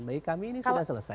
bagi kami ini sudah selesai